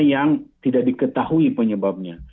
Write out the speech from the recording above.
yang tidak diketahui penyebabnya